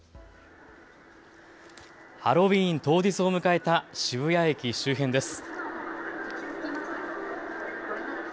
ハロウィーン当日を迎えた渋谷駅周辺です。